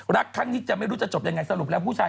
รักครั้งนี้จะไม่รู้จะจบยังไง